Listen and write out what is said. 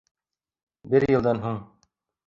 Бер йылдан һуң